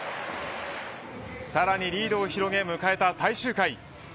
さらにリードを広げ迎えた最終回。